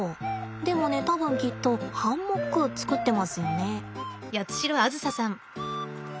でもね多分きっとハンモック作ってますよね。